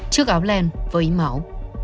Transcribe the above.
trước áo len với máu